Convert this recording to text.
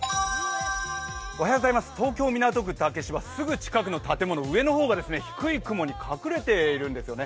東京・港区竹芝、すぐ近くの建物、上の方が低い雲に隠れているんですよね。